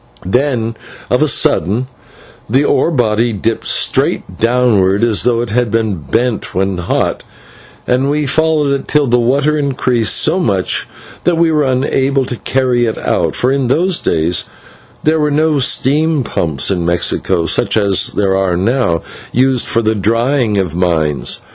Then of a sudden the ore body dipped straight downward, as though it had been bent over when hot, and we followed it till the water increased so much that we were unable to carry it out, for in those days there were no steam pumps in Mexico, such as are now used for the drying of mines.